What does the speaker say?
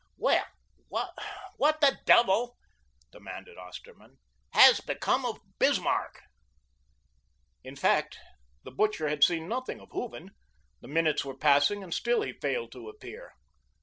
"Well, what the devil," demanded Osterman, "has become of Bismarck?" In fact, the butcher had seen nothing of Hooven. The minutes were passing, and still he failed to appear.